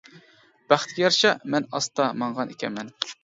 -بەختكە يارىشا مەن ئاستا ماڭغان ئىكەنمەن.